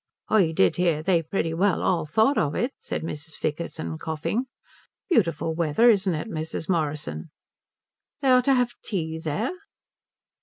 "I did hear they pretty well all thought of it," said Mrs. Vickerton, coughing. "Beautiful weather, isn't it, Mrs. Morrison." "They are to have tea there?"